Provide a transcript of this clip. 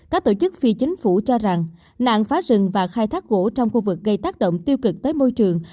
các tổ chức phi chính phủ cho rằng nạn phá rừng và khai thác gỗ trong khu vực gây tác động tiêu cực tới môi trường